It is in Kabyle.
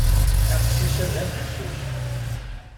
Aqcic-a d afeḥcuc.